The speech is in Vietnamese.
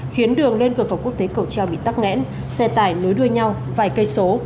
khiến đường lên cửa khẩu quốc tế cầu treo bị tắt ngẽn xe tải nối đuôi nhau vài cây số